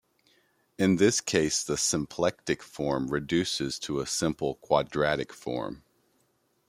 In this case the symplectic form reduces to a simple quadratic form.